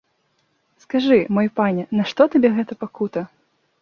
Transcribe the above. Скажы, мой пане, нашто табе гэта пакута?